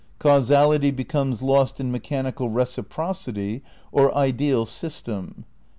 Causality becomes lost in mechanical reciprocity or ideal system."